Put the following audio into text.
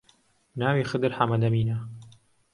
ناوی خدر حەمەدەمینە